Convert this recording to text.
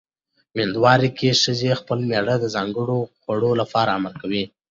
مېندوارۍ کې ښځې خپل مېړه د ځانګړو خوړو لپاره امر کوي.